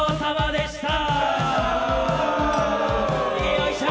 よいしょ！